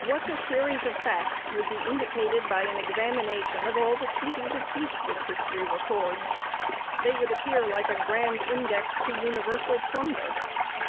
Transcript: What a series of facts would be indicated, by an examination of all the treaties of peace which history records ! they would appear like a grand index to universal plunder.